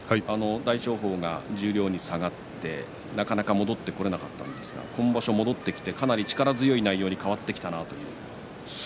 大翔鵬が十両に下がってなかなか戻ってこれなかったんですが今場所戻ってきてかなり力強い内容に変わってきたなという。